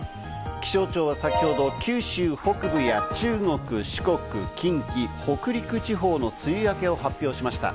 気象庁は先ほど九州北部や中国、四国、近畿、北陸地方の梅雨明けを発表しました。